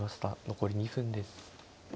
残り２分です。